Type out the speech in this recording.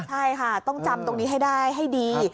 ใช่ค่ะต้องจำตรงนี้ให้ได้ให้ดี